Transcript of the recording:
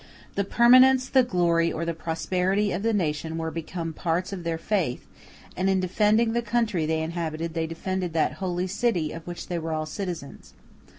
The permanence, the glory, or the prosperity of the nation were become parts of their faith, and in defending the country they inhabited they defended that Holy City of which they were all citizens.